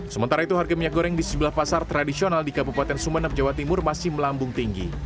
sementara itu harga minyak goreng di sebelah pasar tradisional di kabupaten sumeneb jawa timur masih melambung tinggi